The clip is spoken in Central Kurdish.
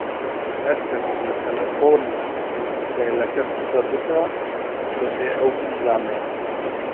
هەرکەس لە تەلەفۆنی ئوتێلەکە قسە بکا دەبێ ئەو بیزانێ